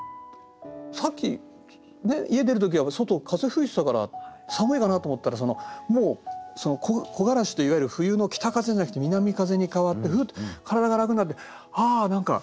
さっき家出る時は外風吹いてたから寒いかなと思ったらもう木枯らしっていわゆる冬の北風じゃなくて南風に変わってふっと体が楽になってあ何か変わったな。